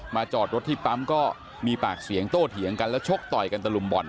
จอดรถที่ปั๊มก็มีปากเสียงโต้เถียงกันแล้วชกต่อยกันตะลุมบ่อน